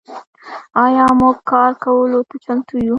آیا موږ کار کولو ته چمتو یو؟